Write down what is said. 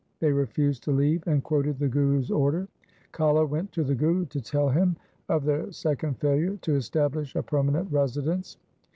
They refused to leave and quoted the Guru's order. Kala went to the Guru to tell him of their second failure to establish a permanent residence.